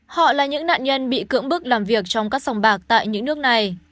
họ là những nạn nhân bị cưỡng bức làm việc trong các sòng bạc tại những nước này